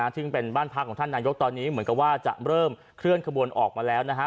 ซึ่งเป็นบ้านพักของท่านนายกตอนนี้เหมือนกับว่าจะเริ่มเคลื่อนขบวนออกมาแล้วนะฮะ